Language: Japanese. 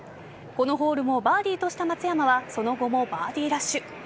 このホールもバーディーとした松山はその後もバーディーラッシュ。